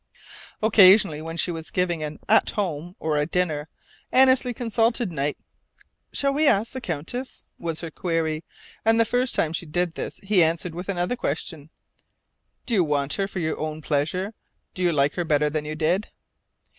Occasionally, when she was giving an "At Home," or a dinner, Annesley consulted Knight. "Shall we ask the Countess?" was her query, and the first time she did this he answered with another question: "Do you want her for your own pleasure? Do you like her better than you did?"